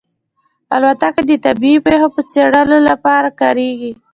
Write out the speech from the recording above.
الوتکه د طبیعي پېښو څېړلو لپاره کارېږي.